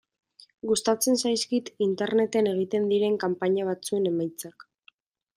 Gustatzen zaizkit Interneten egiten diren kanpaina batzuen emaitzak.